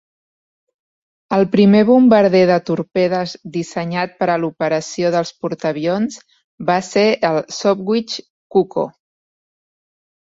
El primer bombarder de torpedes dissenyat per a l'operació dels portaavions va ser el Sopwith Cuckoo.